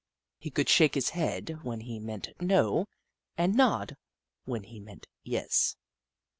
He could shake his head when he meant "no" and nod when he meant "yes."